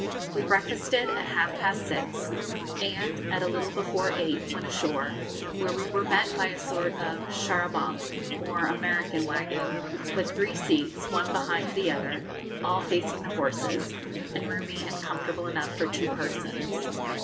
We breakfasted at half past six, and, at a little before eight, went ashore, where we were met by a sort of char à bancs, or American wagon, with three seats, one behind the other, all facing the horses, and roomy and comfortable enough for two persons.